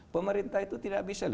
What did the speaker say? pemerintah itu tidak bisa